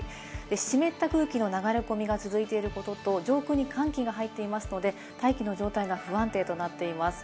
湿った空気の流れ込みが続いていることと、上空に寒気が入っていますので、大気の状態が不安定となっています。